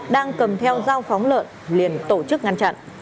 đang cầm theo dao phóng lợn liền tổ chức ngăn chặn